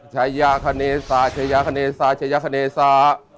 ชายะขณะสาชายะขณะสาชายะขณะสา